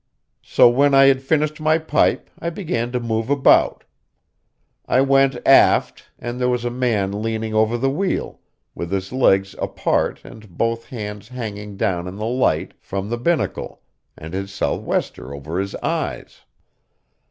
So when I had finished my pipe I began to move about. I went aft, and there was a man leaning over the wheel, with his legs apart and both hands hanging down in the light from the binnacle, and his sou'wester over his eyes.